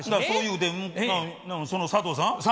そう言うてその佐藤さん